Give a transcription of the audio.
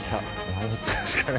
何言ってんですかね・・